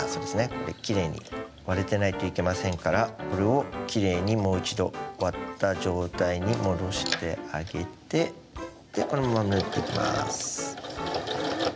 これきれいに割れてないといけませんからこれをきれいにもう一度割った状態に戻してあげてこのまま縫っていきます。